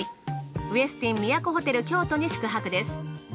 ウェスティン都ホテル京都に宿泊です。